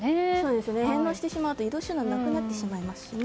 返納してしまうと、移動手段がなくなってしまいますよね。